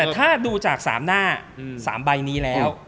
ถ้าดูจากสามหน้าสามใบนี้แล้ว